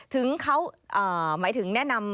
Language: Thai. ถึงเขาหมายถึงแนะนำ